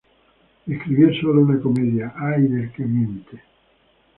Escribió sólo una comedia: "¡Ay del que miente!